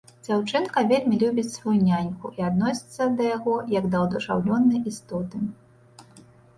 Дзяўчынка вельмі любіць сваю няньку і адносіцца да яго як да адушаўлёнай істоты.